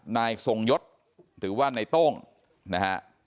นายทรงยศถือว่าในโต้งนะฮะ